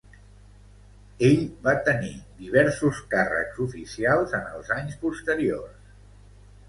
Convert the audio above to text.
Ell va tenir diversos càrrecs oficials en els anys posteriors.